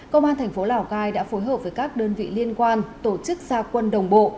công an thành phố lào cai đã phối hợp với các đơn vị liên quan tổ chức gia quân đồng bộ